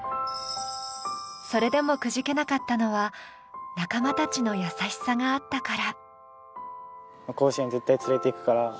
それでもくじけなかったのは、仲間たちの優しさがあったから。